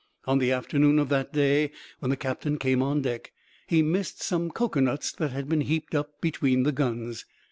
On the afternoon of that day, when the captain came on deck, he missed some cocoanuts that had been heaped up between the guns.